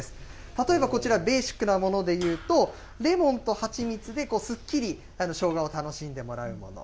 例えばこちら、ベーシックなものでいうと、レモンと蜂蜜ですっきり、しょうがを楽しんでもらうもの。